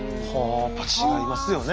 やっぱ違いますよね